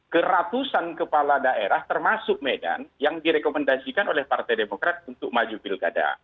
ke ratusan kepala daerah termasuk medan yang direkomendasikan oleh partai demokrat untuk maju pilkada